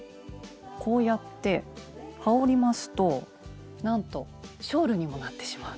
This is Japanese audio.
こうやって羽織りますとなんとショールにもなってしまうという。